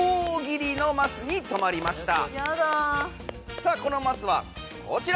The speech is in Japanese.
さあこのマスはこちら！